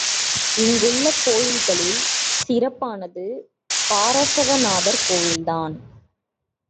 இங்குள்ள கோயில்களில் சிறப்பானது பார்ஸவ நாதர் கோயில்தான்.